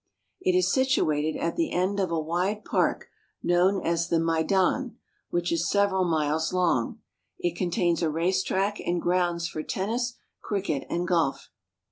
It is situated at the end of a wide park known as the Maidan (ml dan'), which is several miles long. It contains a race track and grounds for tennis, cricket, and golf.